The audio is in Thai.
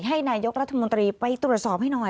ให้นายกรัฐมนตรีไปตรวจสอบให้หน่อย